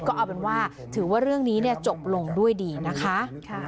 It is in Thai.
ก็เอาเป็นว่าถือว่าเรื่องนี้จบลงด้วยดีนะคะ